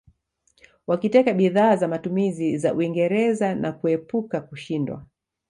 Wakiteka bidhaa za matumizi za Uingereza na kuepuka kushindwa